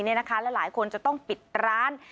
และหลายคนจะต้องปิดร้าน